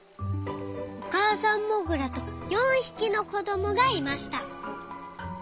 おかあさんモグラと４ひきのこどもがいました。